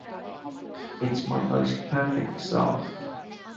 It's my most perfect song.